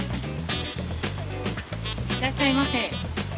いらっしゃいませ。